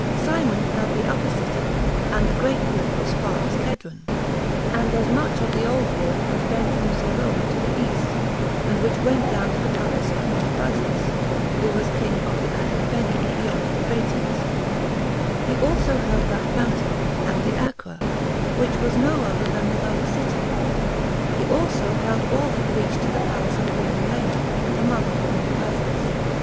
Simon held the upper city, and the great wall as far as Cedron, and as much of the old wall as bent from Siloam to the east, and which went down to the palace of Monobazus, who was king of the Adiabeni, beyond Euphrates; he also held that fountain, and the Acra, which was no other than the lower city; he also held all that reached to the palace of queen Helena, the mother of Monobazus.